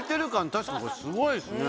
確かにこれすごいですね。